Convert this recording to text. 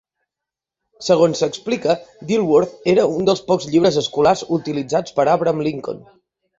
Segons s'explica, Dilworth era un dels pocs llibres escolars utilitzats per Abraham Lincoln.